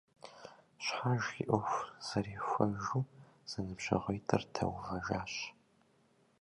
Щхьэж и Iуэху зэрихуэжу зэныбжьэгъуитIыр дэувэжащ.